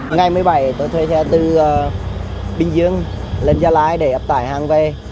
ngày một mươi bảy tôi thuê xe từ bình dương lên gia lai để áp tải hàng về